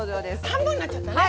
半分になっちゃったね。